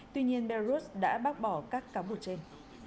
tuy nhiên belarus đã bác bỏ các cáo buộc trên